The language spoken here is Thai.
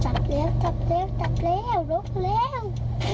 จับเร็วจับเร็วจับเร็วลุกเร็ว